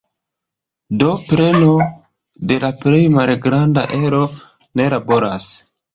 Do preno de la plej malgranda ero ne laboras.